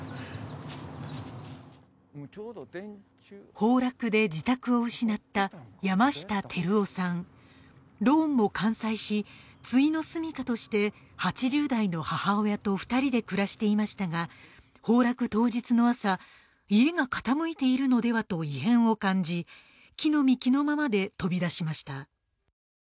崩落で自宅を失った山下輝夫さんローンも完済し終の棲家として８０代の母親と二人で暮らしていましたが崩落当日の朝家が傾いているのではと異変を感じ着の身着のままで飛び出しました